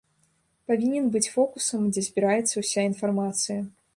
Павінен быць фокусам, дзе збіраецца ўся інфармацыя.